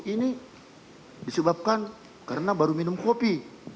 ini disebabkan karena baru minum kopi